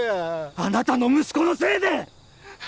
あなたの息子のせいで！